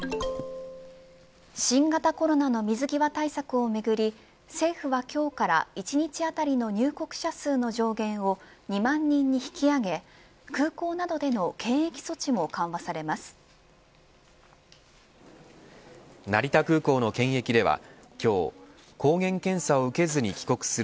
新型コロナの水際対策をめぐり政府は今日から１日当たりの入国者数の上限を２万人に引き上げ空港などでの検疫措置も緩和されます。